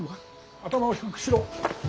頭を低くしろ。